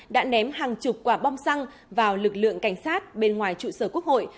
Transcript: đã ném hàng chục quả bom xăng vào lực lượng cảnh sát bên ngoài trụ sở quốc hội